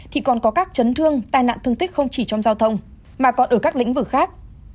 thì còn có các chấn thương tai nạn thương tích không chỉ trong giao thông mà còn ở các lĩnh vực khác